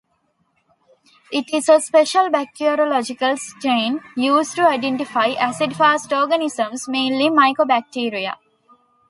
It is a special bacteriological stain used to identify acid-fast organisms, mainly Mycobacteria.